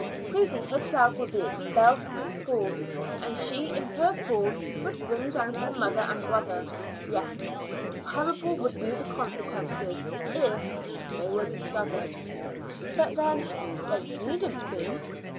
Susy herself would be expelled from the school, and she in her fall would bring down her mother and brother. Yes, terrible would be the consequences if they were discovered. But then, they needn't be.